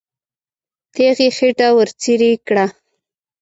تیغ یې خېټه ورڅېړې کړه.